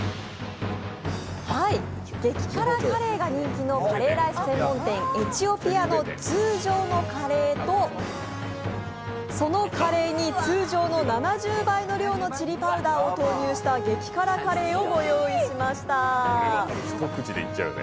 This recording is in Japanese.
激辛カレーが人気のカレーライス専門店エチオピアの通常のカレーとそのカレーに通常の７０倍の量のチリパウダーを投入した激辛カレーをご用意しました。